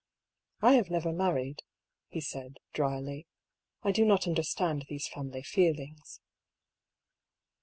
" I have never married," he said, dryly. " I do not understand these family feelings."